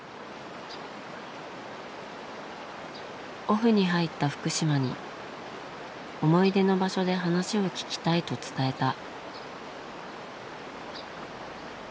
オフに入った福島に思い出の場所で話を聞きたいと伝えた。